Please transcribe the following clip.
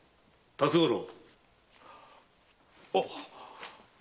辰五郎。